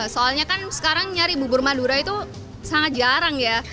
soalnya kan sekarang nyari bubur madura itu sangat jarang ya